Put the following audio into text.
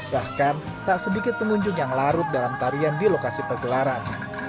bahkan tak sedikit pengunjung yang larut dalam tarian di lokasi pegelaran